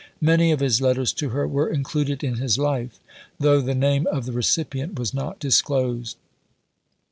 Many of his letters to her were included in his Life, though the name of the recipient was not disclosed.